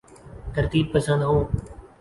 ترتیب پسند ہوں